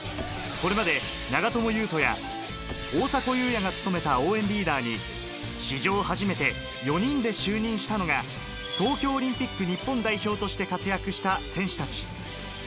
これまで長友佑都や、大迫勇也が務めた応援リーダーに史上初めて４人で就任したのが東京オリンピック日本代表として活躍した選手達。